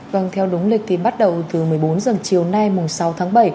vâng theo đúng lịch thì bắt đầu từ một mươi bốn dần chiều nay mùng sáu tháng bảy